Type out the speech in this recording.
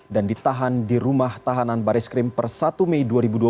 dan ditahan di rumah tahanan baris krim per satu mei dua ribu dua puluh tiga